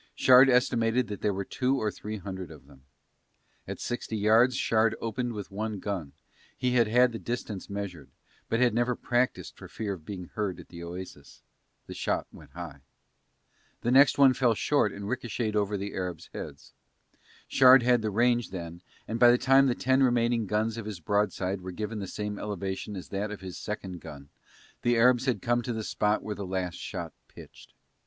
Shard estimated that there were two or three hundred of them. At sixty yards Shard opened with one gun, he had had the distance measured, but had never practised for fear of being heard at the oasis: the shot went high. The next one fell short and ricochetted over the Arabs' heads. Shard had the range then and by the time the ten remaining guns of his broadside were given the same elevation as that of his second gun the Arabs had come to the spot where the last shot pitched.